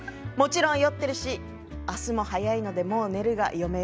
もちろん酔ってるしあしたも早いのでもう寝るが嫁よ。